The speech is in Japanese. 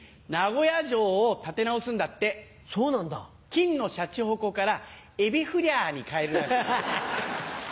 金のシャチホコからエビフリャーに替えるらしい。